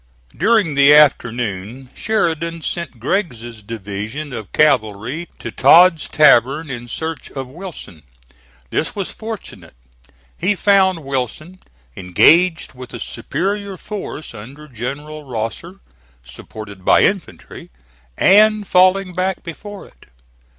During the afternoon Sheridan sent Gregg's division of cavalry to Todd's Tavern in search of Wilson. This was fortunate. He found Wilson engaged with a superior force under General Rosser, supported by infantry, and falling back before it.